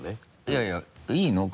いやいやいいの？